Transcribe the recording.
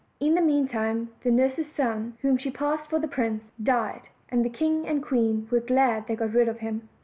In the meantime the nurse's son, whom she passed for the prince, died, and the king and queen were glad they had got rid of him.